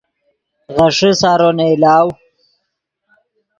غیݰے سارو نئیلاؤ